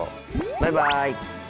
バイバイ。